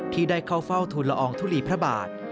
ที่ได้เข้าเฝ้าทุนละอองทุลีพระบาท